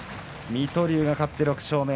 水戸龍が勝って６勝目。